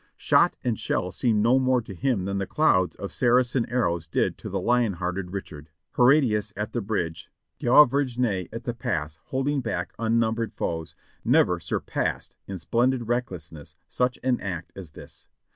Shot and shell seemed no more to him than the clouds of Saracen ar rows did to the lion hearted Richard. Horatius at the bridge, D'Auvergne at the pass holding back unnumbered foes, never surpassed in splendid recklessness such an act as this.